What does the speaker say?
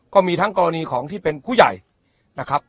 ก็มีทั้งกรณีของที่เป็นผู้ใหญ่นะครับ